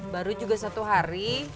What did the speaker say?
baru juga satu hari